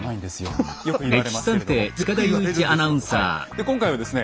で今回はですね